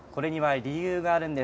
理由があるんです。